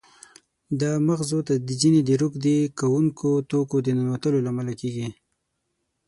دا مغزو ته د ځینې روږدې کوونکو توکو د ننوتلو له امله کېږي.